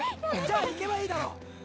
じゃあ行けばいいだろう！